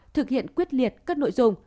thực hiện quyết liệt các nội dung